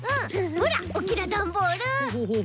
ほらおっきなだんボール。